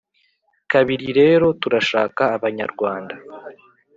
kabiri rero turashaka Abanyarwanda